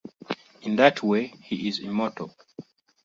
In that way, he is immortal.